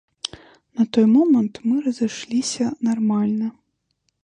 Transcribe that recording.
На той момант мы разышліся нармальна.